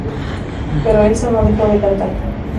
Pero Elsa no dejó de cantar.